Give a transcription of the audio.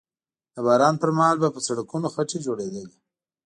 د باران پر مهال به په سړکونو خټې جوړېدلې